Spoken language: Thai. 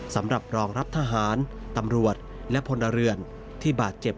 สำหรับรองรับทหารตำรวจและพลเรือนที่บาดเจ็บ